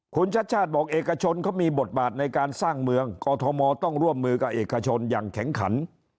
คุณชัดชาติบอกเอกชนเขามีบทบาทในการสร้างเมืองกอทมต้องร่วมมือกับเอกชนอย่างแข็งขัน